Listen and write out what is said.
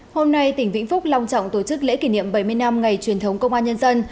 hôm nay tỉnh vĩnh phúc long trọng tổ chức lễ kỷ niệm bảy mươi năm ngày truyền thống công an nhân dân